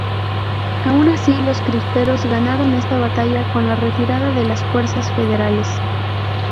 Aun así los cristeros ganaron esta batalla con la retirada de las fuerzas federales.